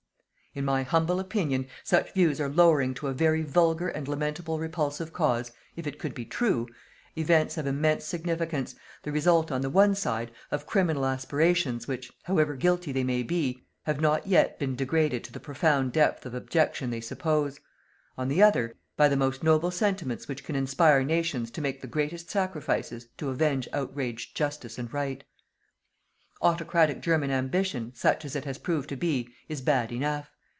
In my humble opinion, such views are lowering to a very vulgar and lamentably repulsive cause if it could be true events of immense significance, the result, on the one side, of criminal aspirations which, however guilty they may be, have not yet been degraded to the profound depth of abjection they suppose; on the other, by the most noble sentiments which can inspire nations to make the greatest sacrifices to avenge outraged Justice and Right. Autocratic German ambition, such as it has proved to be, is bad enough.